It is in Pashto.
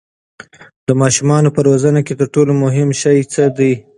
د ماشومانو په روزنه کې تر ټولو مهم شی څه دی؟